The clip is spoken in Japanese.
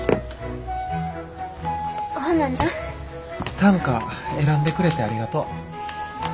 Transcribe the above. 短歌選んでくれてありがとう。